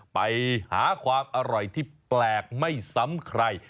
ไปหาความอร่อยที่แปลกไม่ซ้ำใคร